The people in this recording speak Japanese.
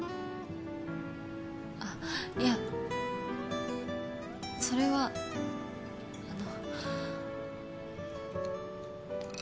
あいやそれはあの。